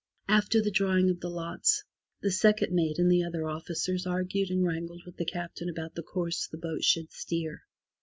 After the drawing of the lots, the second mate and the other officers argued and wrangled with the Captain about the course the boat should steer.